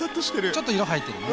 ちょっと色入ってるね。